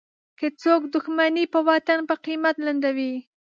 که څوک دوښمني په وطن په قیمت لنډوي.